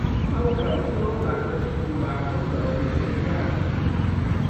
Malgraŭ tio la konstruado daŭris dek jarojn.